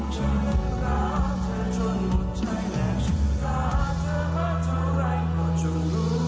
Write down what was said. ฉันได้รักเธอจนหมดใจและฉันรักเธอมาเท่าไหร่ของฉัน